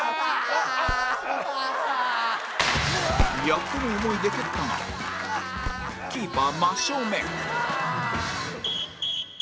やっとの思いで蹴ったがキーパー真正面